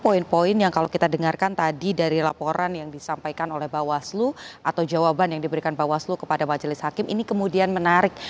poin poin yang kalau kita dengarkan tadi dari laporan yang disampaikan oleh bawaslu atau jawaban yang diberikan bawaslu kepada majelis hakim ini kemudian menarik